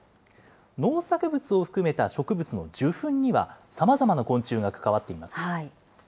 農作物を含めた植物の受粉にはさまざまな昆虫が関わっています。